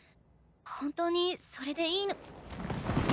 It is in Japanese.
本当にそれでいいの。